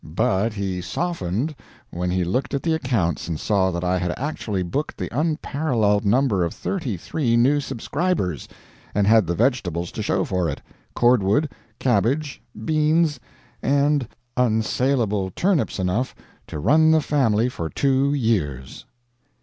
But he softened when he looked at the accounts and saw that I had actually booked the unparalleled number of thirty three new subscribers, and had the vegetables to show for it, cordwood, cabbage, beans, and unsalable turnips enough to run the family for two years!